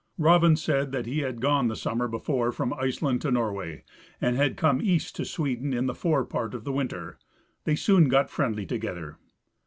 Raven said that he had gone the summer before from Iceland to Norway, and had come east to Sweden in the forepart of winter. They soon got friendly together.